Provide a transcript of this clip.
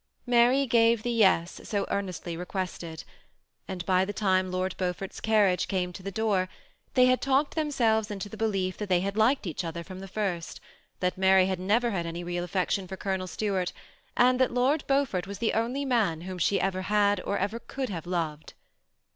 Mary gave the " Yes " so earnestly requested ; and by the time Lord Beaufort's carriage came to the door, they had talked themselves into the belief that they had liked each other from the first ; that Mary had never had any real affection for Colonel Stuart, and that Lord Beau fort was the only man whom she had ever or could ever have loved.